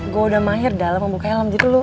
gue udah mahir dalam membuka helm gitu lu